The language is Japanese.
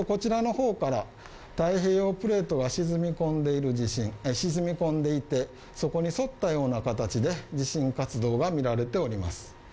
こちらの方から太平洋プレートが沈み込んでいるそこに沿ったような形で地震活動が見られております。